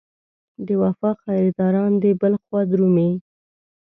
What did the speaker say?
د وفا خریداران دې بل خوا درومي.